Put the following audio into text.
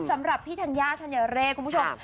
สำหรับพี่ธัญญาธัญญาเร่คุณผู้ชม